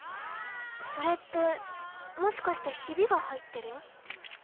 それってもしかしてヒビが入ってる？